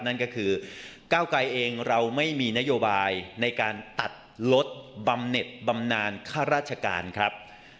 นั่นก็คือก้าวไกรเองเราไม่มีนโยบายในการตัดลดบำเน็ตบำนานข้าราชการครับ